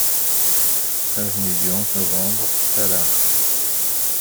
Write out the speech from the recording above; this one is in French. Avenue du onze Novembre, Tallard